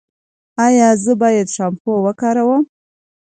ایا زه باید شامپو وکاروم؟